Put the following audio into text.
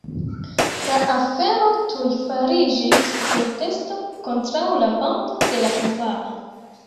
La afero tuj fariĝis protesto kontraŭ la Bando de la Kvar.